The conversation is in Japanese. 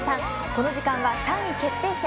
この時間は３位決定戦